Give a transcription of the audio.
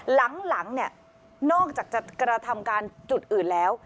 หลังเนี่ยนอกจากจะกระทำการจุดอื่นแล้ว